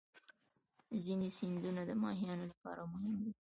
ځینې سیندونه د ماهیانو لپاره مهم دي.